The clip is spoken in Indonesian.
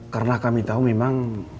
karena kami tau memang